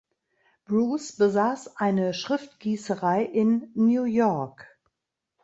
Bruce besaß eine Schriftgießerei in New York.